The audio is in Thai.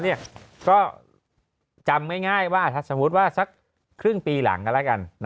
เนี่ยก็จำง่ายว่าสมมุติว่าสักครึ่งปีหลังก็แล้วกันนะ